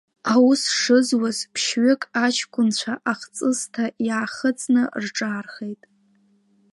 Аус шызуаз, ԥшьҩык аҷкәынцәа ахҵысҭа иаахыҵны рҿаархеит.